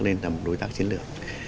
lên tầm đối tác chiến lược